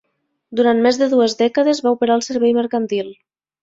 Durant més de dues dècades, va operar al servei mercantil.